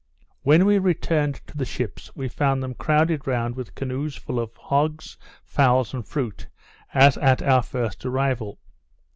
When we returned to the ships, we found them crowded round with canoes full of hogs, fowls, and fruit, as at our first arrival.